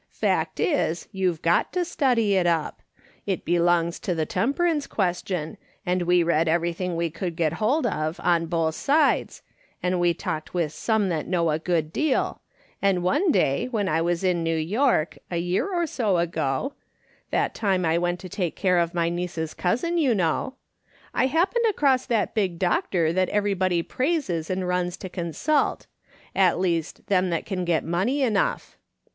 Fact is, you've got to study it up. It belongs to the temperance question, and we read everything we could get hold of on both sides, and we talked with some that know a good deal, and one day when I was in New York, a year or so ago — that time I went to take care of my niece's cousin, you know — I happened across that big doctor that everybody praises and runs to consult — at least, them that can get money enough.